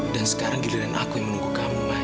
dan sekarang giliran aku yang menunggu kamu mai